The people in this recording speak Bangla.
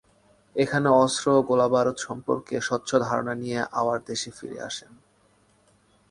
এখানে অস্ত্র গোলাবারুদ সম্পর্কে স্বচ্ছ ধারণা নিয়ে আবার দেশে ফিরে আসেন।